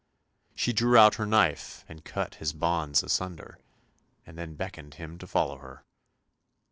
She drew out her knife and cut his bonds asunder, and then beckoned him to follow her.